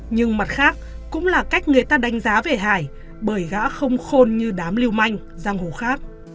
nhưng mặt khác cũng là cách người ta đánh giá về hải bởi gã không khôn như đám lưu manh giang hồ khác